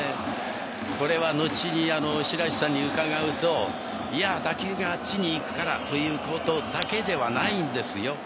これは後に白石さんに伺うと「いや打球があっちにいくからということだけではないんですよ」